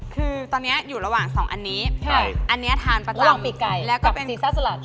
คือตอนนี้อยู่ระหว่าง๒อันนี้อันนี้ทานประจำแล้วก็เป็นลองปลิกไก่กับซีซ่าสลัด